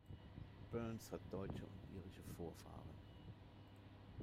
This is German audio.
Byrnes hat deutsche und irische Vorfahren.